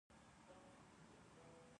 زه له خپلو ملګرو سره مهربانې کوم.